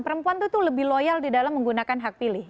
perempuan itu lebih loyal di dalam menggunakan hak pilih